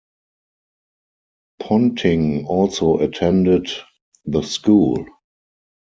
Ponting also attended the school.